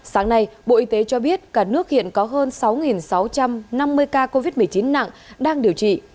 sáng nay bộ y tế cho biết cả nước hiện có hơn sáu sáu trăm năm mươi ca covid một mươi chín nặng đang điều trị